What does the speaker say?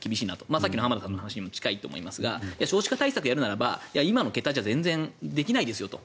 さっきの浜田さんの話にも近いと思いますが少子化対策をするなら今の形態じゃ全然できないですよと。